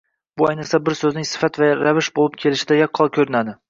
Bu ayniqsa bir soʻzning sifat va ravish boʻlib kelishida yaqqol koʻrinadi